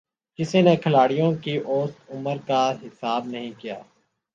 کسی نے کھلاڑیوں کی اوسط عمر کا حساب نہیں کِیا